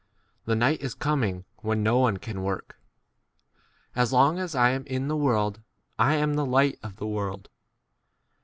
The night is coming, when no one 5 can work. As long as I am in the world, I am [the] light of the 6 world.